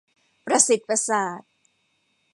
ประสิทธิ์ประสาท